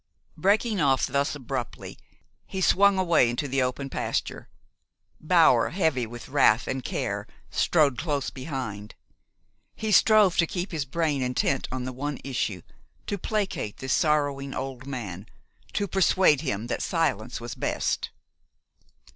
Breaking off thus abruptly, he swung away into the open pasture. Bower, heavy with wrath and care, strode close behind. He strove to keep his brain intent on the one issue, to placate this sorrowing old man, to persuade him that silence was best.